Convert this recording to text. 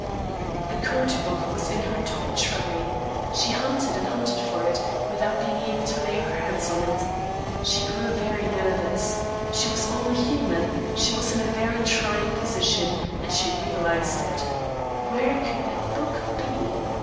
The code book was in her top tray. She hunted and hunted for it, without being able to lay her hands on it. She grew very nervous. She was only human; she was in a very trying position, and she realised it. Where could that book be?